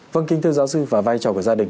vâng kính thưa giáo sư và vai trò của gia đình